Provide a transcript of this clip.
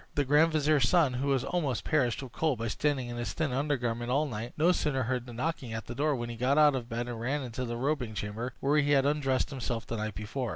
The grand vizier's son, who was almost perished with cold by standing in his thin under garment all night, no sooner heard the knocking at the door than he got out of bed and ran into the robing chamber, where he had undressed himself the night before.